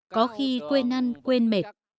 có khi quên ăn quên mệt